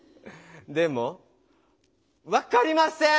でも分かりません！